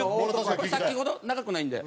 これさっきほど長くないんで。